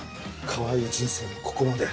かわいい人生もここまで。